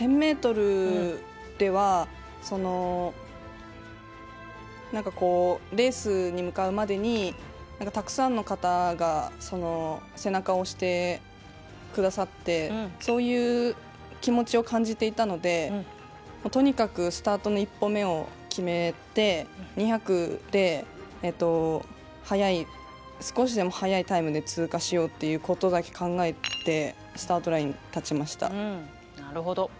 １０００ｍではなんかこうレースに向かうまでにたくさんの方が背中を押してくださってそういう気持ちを感じていたのでとにかくスタートの１歩目を決めて２００で速い少しでも速いタイムで通過しようということだけ考えてなるほど。